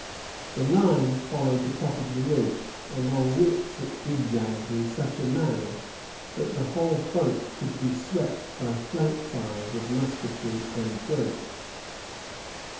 The line followed the top of the ridge, along which it zig zagged in such a manner that the whole front could be swept by flank fires of musketry and grape.